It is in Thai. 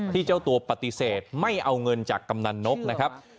เจ้าตัวปฏิเสธไม่เอาเงินจากกำนันนกนะครับ